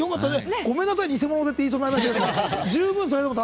ごめんなさい、偽者でって言いそうになったけど。